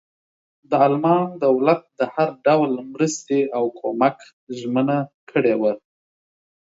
د المان دولت د هر ډول مرستې او کمک ژمنه کړې وه.